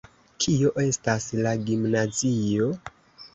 Kio estas la gimnazio?